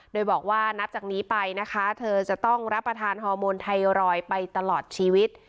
โดยบอกว่านับจากนี้ไปนะคะเธอจะต้องรับประทานฮอร์โมนไทรอยด์ไปตลอดชีวิต